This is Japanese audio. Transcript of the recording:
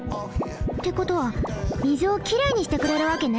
ってことは水をきれいにしてくれるわけね。